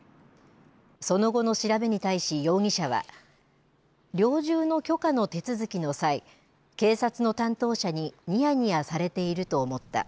その後の調べに対し、容疑者は猟銃の許可の手続きの際警察の担当者ににやにやされていると思った。